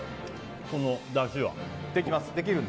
このだしは。できます。